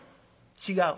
「違う」。